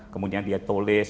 kemudian dia tulis